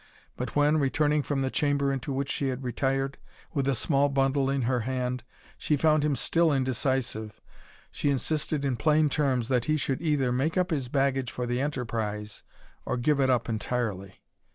But when, returning from the chamber into which she had retired, with a small bundle in her hand, she found him still indecisive, she insisted in plain terms, that he should either make up his baggage for the enterprise, or give it up entirely.